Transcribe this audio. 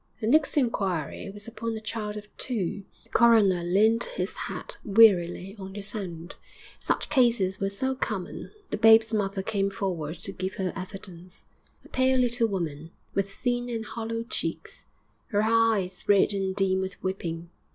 The next inquiry was upon a child of two. The coroner leant his head wearily on his hand, such cases were so common! The babe's mother came forward to give her evidence a pale little woman, with thin and hollow cheeks, her eyes red and dim with weeping.